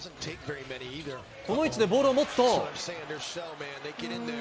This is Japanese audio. この位置でボールを持つと。